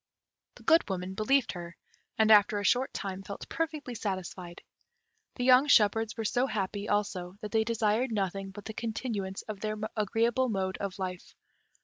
The Good Woman believed her, and after a short time felt perfectly satisfied. The young shepherds were so happy also that they desired nothing but the continuance of their agreeable mode of life.